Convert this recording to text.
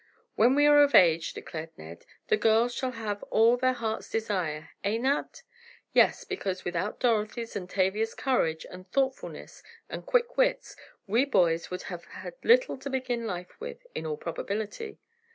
"When we are of age," declared Ned, "the girls shall have all their hearts desire; eh, Nat?" "Yes, because without Dorothy's and Tavia's courage and thoughtfulness and quick wits, we boys would have had little to begin life with, in all probability."